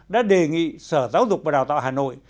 đã đề nghị sở giáo dục và đào tạo hà nội